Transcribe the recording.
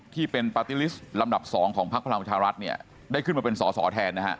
ที่เป็นหลักล่างเพิ้มผลักศัตริย์ลำดับสองของภักรรณประชารัฐเนี้ยได้ขึ้นมาเป็นศอสอแทนนะฮะ